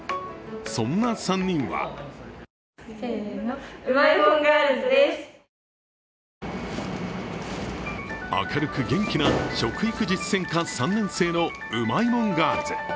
そんな３人は明るく元気な食育実践科３年生のうまいもんガールズ。